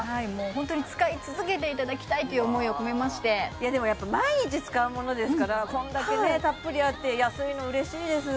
ホントに使い続けていただきたいという思いを込めましていやでもやっぱ毎日使うものですからこんだけねたっぷりあって安いの嬉しいです